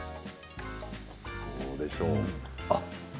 どうでしょう。